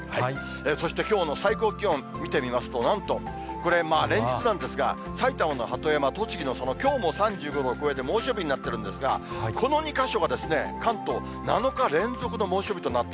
そしてきょうの最高気温見てみますと、なんとこれ、連日なんですが、埼玉の鳩山、栃木の佐野、きょうも３５度を超えて猛暑日になってるんですが、この２か所が関東７日連続の猛暑日となって。